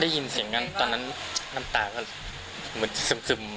ได้ยินเสียงกันตอนนั้นน้ำตาก็เหมือนซึม